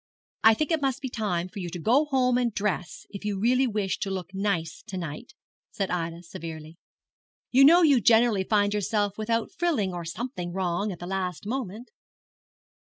'I think it must be time for you to go home and dress, if you really wish to look nice to night,' said Ida, severely. 'You know you generally find yourself without frilling, or something wrong, at the last moment.'